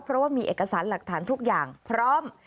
เพราะว่ามีเอกสารหลักฐานทุกอย่างพร้อม